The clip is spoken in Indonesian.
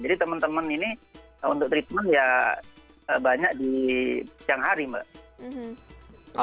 jadi teman teman ini untuk treatment ya banyak di siang hari mbak